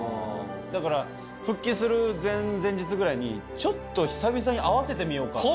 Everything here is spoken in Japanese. だから復帰する前々日ぐらいにちょっと久々に合わせてみようかって。